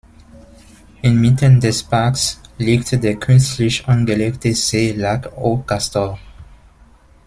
Inmitten des Parks liegt der künstlich angelegte See Lac aux Castors.